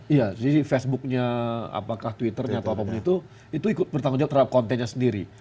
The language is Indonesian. iya jadi facebooknya apakah twitternya atau apapun itu itu ikut bertanggung jawab terhadap kontennya sendiri